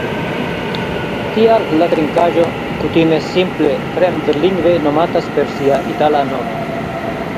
Tial la trinkaĵo kutime simple framdlingve nomatas per sia itala nomo.